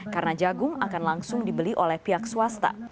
karena jagung akan langsung dibeli oleh pihak swasta